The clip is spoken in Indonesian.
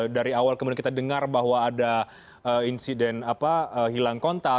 dari awal kemudian kita dengar bahwa ada insiden hilang kontak